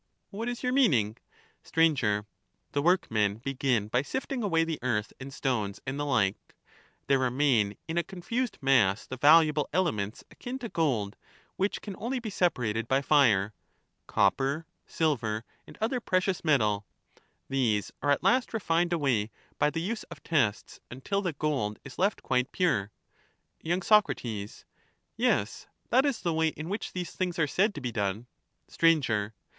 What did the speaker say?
What is your meaning ? Sir. The workmen begin by sifting away the earth and stones and the like; there remain in a confused mass the valuable elements akin to gold, which can only be separated by fire,— copper, silver, and other precious metal; these are at last refined away by the use of tests, until the gold is left quite pure. y. Soc. Yes, that is the way in which these things are said to be done. Sir.